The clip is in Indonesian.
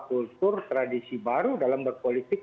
kultur tradisi baru dalam berpolitik